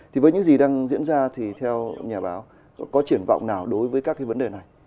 thì với những gì đang diễn ra thì theo nhà báo có triển vọng nào đối với các cái vấn đề này